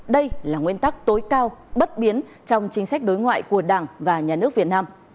đây là nguyên tắc tối cao bất biến trong chính sách đối ngoại của đảng và nhà nước việt nam